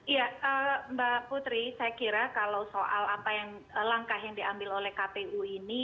ya mbak putri saya kira kalau soal apa yang langkah yang diambil oleh kpu ini